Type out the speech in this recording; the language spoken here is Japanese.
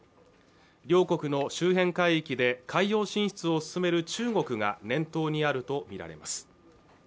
両国の周辺海域で海洋進出を進める中国が念頭にあると見られます